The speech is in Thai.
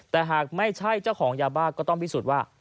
แต่หากไม่ใช่เจ้าของยาบ้าก็ต้องพิสูจน์ว่า